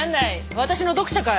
私の読者かい？